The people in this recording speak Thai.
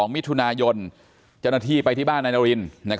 ๒๒มิถุนายนจนที่ไปที่บ้านนายนาริน